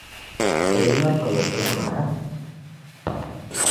Ka yi lara, ka bi kuhira?